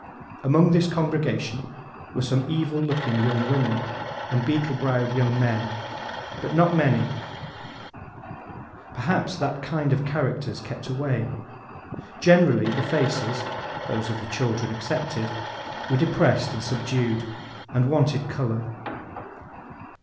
Among this congregation, were some evil looking young women, and beetle browed young men; but not many—perhaps that kind of characters kept away. Generally, the faces (those of the children excepted) were depressed and subdued, and wanted colour.